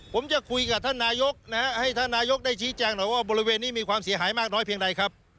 ผมจะคุยกับท่านนายกนะฮะให้ท่านนายกได้ชี้แจงหน่อยว่าบริเวณนี้มีความเสียหายมากน้อยเพียงใดครับ